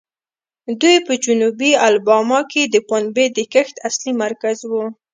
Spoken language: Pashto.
دوی په جنوبي الاباما کې د پنبې د کښت اصلي مرکز وو.